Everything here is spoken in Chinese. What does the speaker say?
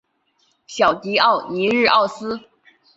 小狄奥尼西奥斯。